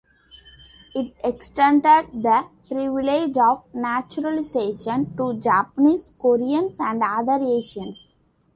It extended the privilege of naturalization to Japanese, Koreans, and other Asians.